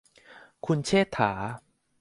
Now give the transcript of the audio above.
คุณเชษฐา